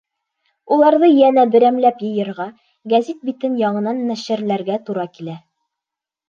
Уларҙы йәнә берәмләп йыйырға, гәзит битен яңынан нәшерләргә тура килә.